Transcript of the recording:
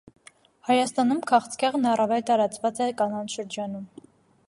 Հայաստանում քաղցկեղն առավել տարածված է կանանց շրջանում։